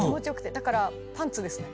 だからパンツですね。